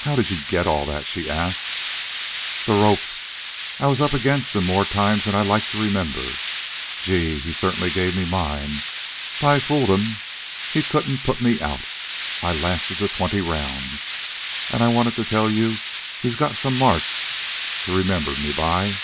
"How did you get all that?" she asked. "The ropes. I was up against 'em more times than I like to remember. Gee! He certainly gave me mine. But I fooled 'm. He couldn't put me out. I lasted the twenty rounds, an' I wanta tell you he's got some marks to remember me by.